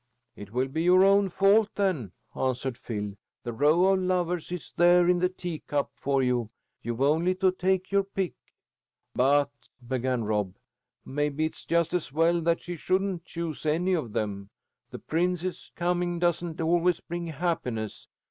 '" "It will be your own fault, then," answered Phil. "The row of lovers is there in the teacup for you. You've only to take your pick." "But," began Rob, "maybe it is just as well that she shouldn't choose any of them. The prince's coming doesn't always bring happiness.